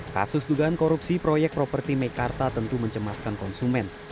kasus dugaan korupsi proyek properti mekarta tentu mencemaskan konsumen